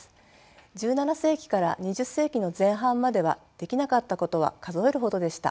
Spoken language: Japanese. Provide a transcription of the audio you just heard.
１７世紀から２０世紀の前半まではできなかったことは数えるほどでした。